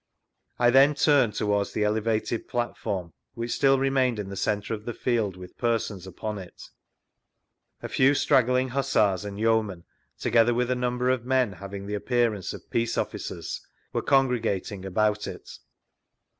I then turned towards the elevated jdatform, whidi still remained in the centre of the field with persons upon it; a few straggling Hussars and yeomen, together with a number of men having the appearance of peace <rfBoers wej« congregating about it.